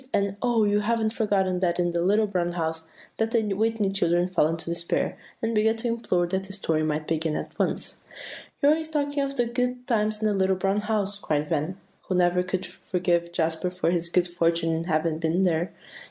and "Oh! you haven't forgotten that in The Little Brown House!" that the Whitney children fell into despair, and began to implore that the story might begin at once. "You're always talking of the good times in The Little Brown House," cried Van, who never could forgive Jasper for his good fortune in having been there.